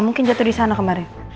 mungkin jatuh disana kemarin